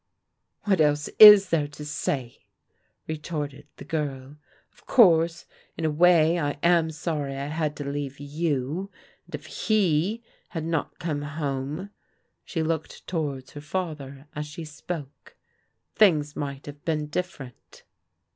" What else is there to say?'* retorted the girl. " Of course in a way I am sorry I had to leave you, and if he had not come home," she looked towards her father as she spoke, " things might have been different."